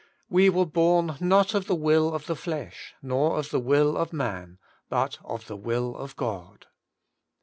We * were born not of the will of the flesh, nor of the will of man, but of the will of God.'